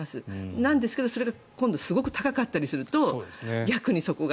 なんですけどそれがすごく高かったりすると逆にそこが。